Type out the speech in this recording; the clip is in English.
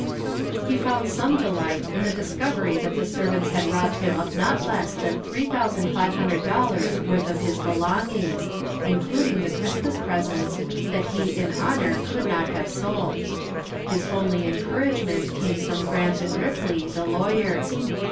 He found some delight in the discovery that the servants had robbed him of not less than $3,500 worth of his belongings, including the Christmas presents that he in honor could not have sold. His only encouragement came from Grant & Ripley, the lawyers.